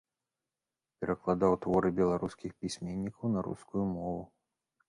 Перакладаў творы беларускіх пісьменнікаў на рускую мову.